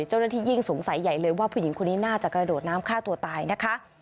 ยิ่งสงสัยใหญ่เลยว่าผู้หญิงคนนี้น่าจะกระโดดน้ำฆ่าตัวตายนะคะ